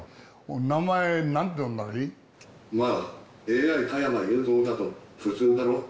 名前、まあ、ＡＩ加山雄三だと普通だろ？